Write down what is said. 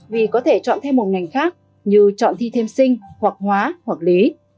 vì có thể chọn thêm một ngành khác như chọn thi thêm sinh hoặc hóa hoặc lý